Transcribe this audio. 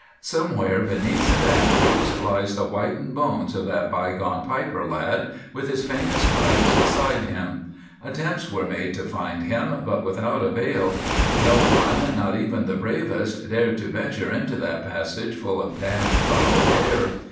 Somewhere beneath St Andrews lies the whitened bones of that bygone piper lad, with his famous pipes beside him. Attempts were made to find him, but without avail; no one, not even the bravest, dared to venture into that passage full of damp foul air.